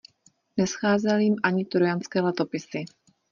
Nescházely jim ani Trojanské letopisy.